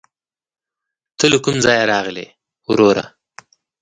ته له کوم ځايه راغلې ؟ وروره